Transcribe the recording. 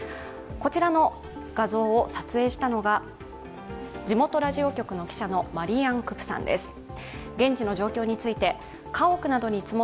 こちらの画像を撮影したのが地元ラジオ局の記者マリアン・クプさんです。